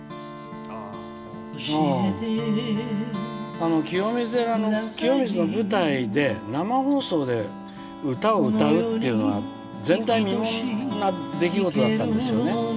あの清水寺の清水の舞台で生放送で歌を歌うっていうのは前代未聞な出来事だったんですよね。